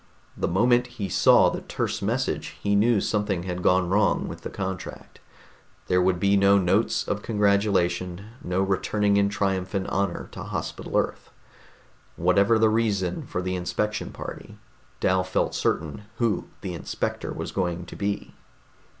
The moment he saw the terse message, he knew something had gone wrong with the contract. There would be no notes of congratulation, no returning in triumph and honor to Hospital Earth. Whatever the reason for the inspection party, Dal felt certain who the inspector was going to be.